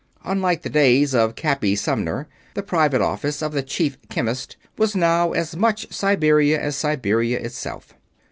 Unlike the days of Cappy Sumner, the private office of the Chief Chemist was now as much Siberia as Siberia itself.